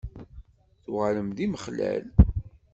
Tuɣalem d imexlal?